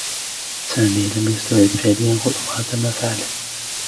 سامي لم يستوعب فعليا خطورة ما فعله.